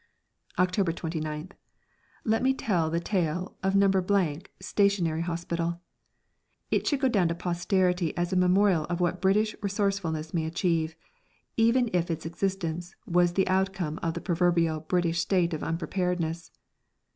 October 29th. Let me tell the tale of No. Stationary Hospital. It should go down to posterity as a memorial of what British resourcefulness may achieve, even if its existence was the outcome of the proverbial British state of unpreparedness.